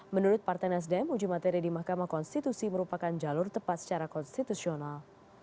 menurut partai nasdem uji materi di mahkamah konstitusi merupakan jalur tepat secara konstitusional